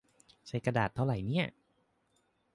ใช้กระดาษเท่าไหร่เนี่ย -_